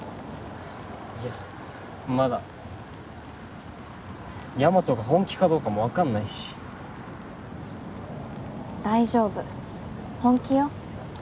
いやまだヤマトが本気かどうかも分かんないし大丈夫本気よ